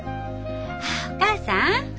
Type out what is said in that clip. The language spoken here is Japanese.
お母さん？